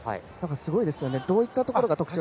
すごいですよね。